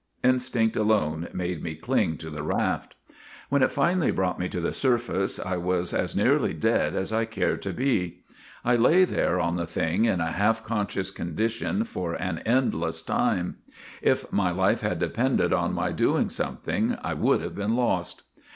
Instinct alone made me cling to the raft. ; When it finally brought me to the surface I was as nearly dead as I care to be. I lay there on the thing in a half conscious condition for an endless 12 GULLIVER THE GREAT time. If my life had depended on my doing some thing, I would have been lost.